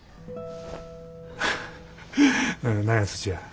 何や土屋。